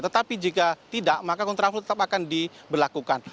tetapi jika tidak maka kontraflow tetap akan diberlakukan